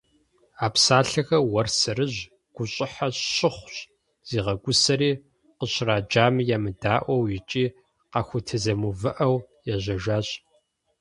А псалъэхэр Уэрсэрыжь гущӀыхьэ щыхъущ, зигъэгусэри, къыщӀраджами емыдаӀуэу икӀи къахузэтемыувыӀэу, ежьэжащ.